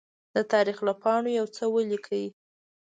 د تاریخ له پاڼو يوڅه ولیکئ!